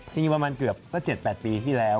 จริงคือเกือบ๗๘ปีที่แล้ว